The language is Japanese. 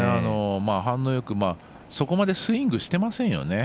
反応よく、そこまでスイングしてませんよね。